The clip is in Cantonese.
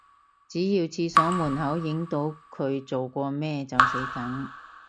只要廁所門口影到佢做過咩就死梗